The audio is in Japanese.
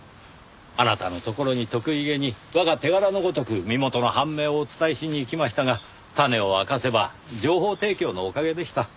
あなたのところに得意げに我が手柄のごとく身元の判明をお伝えしに行きましたが種を明かせば情報提供のおかげでした。